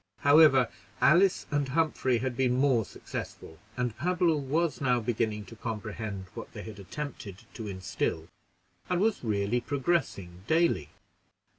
However, Alice and Humphrey had been more successful, and Pablo was now beginning to comprehend what they had attempted to instill, and was really progressing dayly.